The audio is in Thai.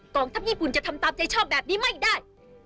ทัพญี่ปุ่นจะทำตามใจชอบแบบนี้ไม่ได้